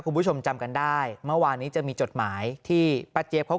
คุณผู้ชมจำกันได้เมื่อวานนี้จะมีจดหมายที่ป้าเจี๊ยบเขา